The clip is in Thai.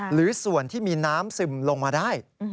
หรือส่วนที่มีน้ำซึมลงมาได้